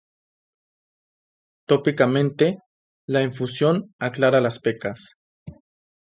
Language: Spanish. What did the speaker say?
Tópicamente, la infusión aclara las pecas.